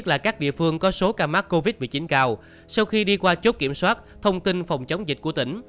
cảm ác covid một mươi chín cao sau khi đi qua chốt kiểm soát thông tin phòng chống dịch của tỉnh